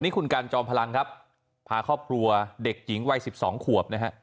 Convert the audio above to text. นี่คุณกันจอมพลังครับพาครอบครัวเด็กหญิงวัย๑๒ขวบนะฮะ